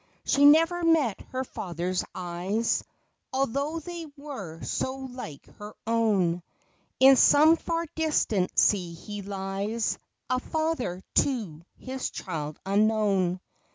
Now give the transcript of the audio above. She never met her father's eyes, Although they were so like her own; In some far distant sea he lies, A father to his child unknown.